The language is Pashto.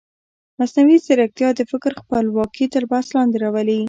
مصنوعي ځیرکتیا د فکر خپلواکي تر بحث لاندې راولي.